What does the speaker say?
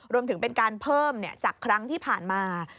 รวมถึงเป็นการเพิ่มจากครั้งที่ผ่านมา